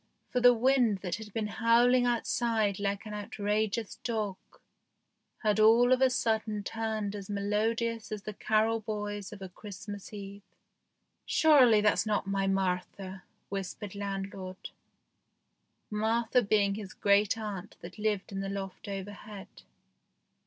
For the wind that had been howling outside like an outrageous dog had all of a sudden turned as melodious as the carol boys of a Christmas Eve. " Surely that's not my Martha," whispered landlord ; Martha being his great aunt that lived in the loft overhead.